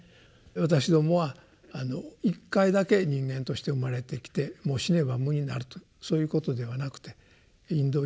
私どもは一回だけ人間として生まれてきてもう死ねば無になるというそういうことではなくてインド